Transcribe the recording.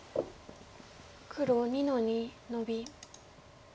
黒２の二ノビ。